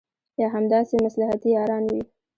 یا همداسې مصلحتي یاران وي.